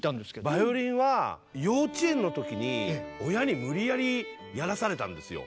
バイオリンは幼稚園の時に親に無理やりやらされたんですよ。